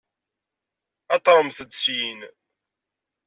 Aṭremt-d syin!